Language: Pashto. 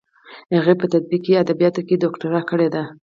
هغې په تطبیقي ادبیاتو کې دوکتورا کړې ده.